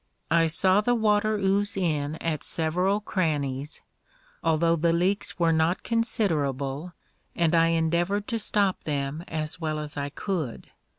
I saw the water ooze in at several crannies, although the leaks were not considerable, and I endeavored to stop them as well as I could.